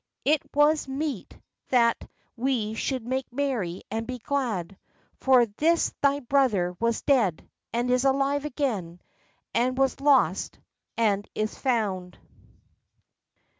It was meet that we should make merry and be glad : for this thy brother was dead, and is alive again ; and was lost, and is found.'